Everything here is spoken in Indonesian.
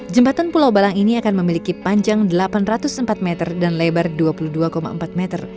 jembatan pulau balang ini akan memiliki panjang delapan ratus empat meter dan lebar dua puluh dua empat meter